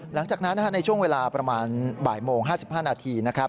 หลังจากนั้นในช่วงเวลาประมาณบ่ายโมง๕๕นาทีนะครับ